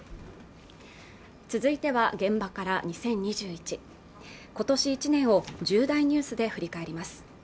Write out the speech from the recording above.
続いては現場から２０２１今年１年を１０大ニュースで振り返ります